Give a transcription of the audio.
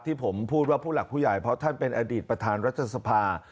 ที่ผมพูดว่าผู้หลักผู้ใหญ่เพราะท่านเป็นอดีตประธานรัฐสภา